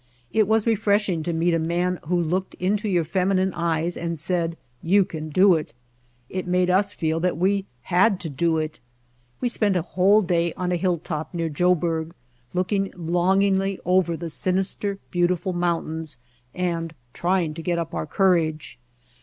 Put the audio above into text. It was refreshing to meet a man who looked into your feminine eyes and said : "You can do it." It made us feel that we had to do it. We spent a whole day on a hilltop near Joburg look ing longingly over the sinister, beautiful moun How We Found Mojave tains and trying to get up our courage.